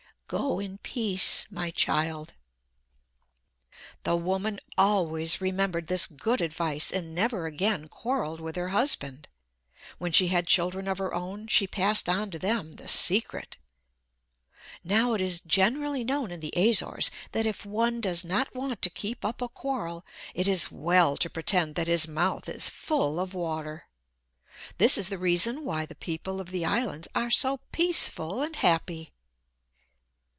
Go in peace, my child." The woman always remembered this good advice and never again quarreled with her husband. When she had children of her own she passed on to them the secret. Now it is generally known in the Azores that if one does not want to keep up a quarrel it is well to pretend that his mouth is full of water. This is the reason why the people of the islands are so peaceful and happy.